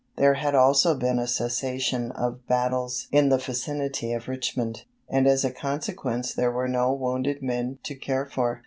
There had also been a cessation of battles in the vicinity of Richmond, and as a consequence there were no wounded men to care for.